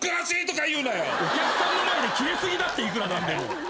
お客さんの前でキレすぎだっていくらなんでも。